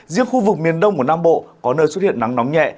riêng khu vực miền đông của nam bộ có nơi xuất hiện nắng nóng nhẹ